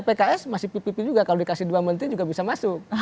pks masih pipi juga kalau dikasih dua menteri juga bisa masuk